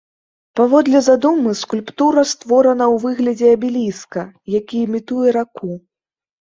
Паводле задумы скульптура створана ў выглядзе абеліска, які імітуе раку.